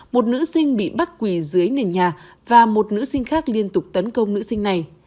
một nữ sinh bị bắt quỳ dưới nền nhà và một nữ sinh khác liên tục tấn công nữ sinh này